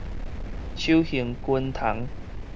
秋行軍蟲